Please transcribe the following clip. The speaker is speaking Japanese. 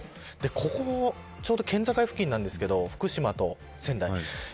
ここも、ちょうど県境付近なんですが福島と仙台。